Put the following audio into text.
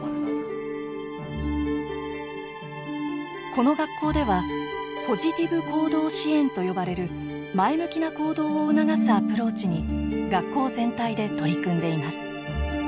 この学校ではポジティブ行動支援と呼ばれる前向きな行動を促すアプローチに学校全体で取り組んでいます。